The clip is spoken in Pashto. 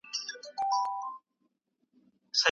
غلام په تواضع سره وویل چې زه یوازې یو بنده یم.